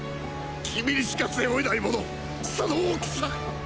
君にしか背負えないモノその大きさ！